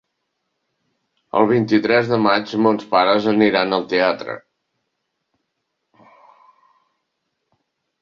El vint-i-tres de maig mons pares aniran al teatre.